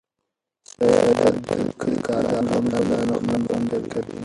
سعید ته د کلي د ارام ژوند انځورونه خوند ورکوي.